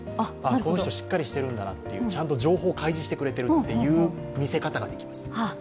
この人しっかりしてるんだなと、情報開示してくれてるという見せ方ができます。